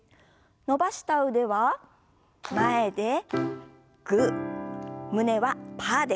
伸ばした腕は前でグー胸はパーです。